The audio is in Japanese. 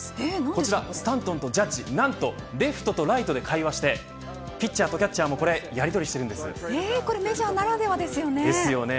こちらスタントンとジャッジレフトとライトで会話してピッチャーとキャッチャーもメジャーならではですよね。